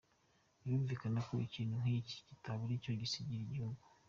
Birumvikana ko ikintu nk’iki kitabura icyo gisigira igihugu.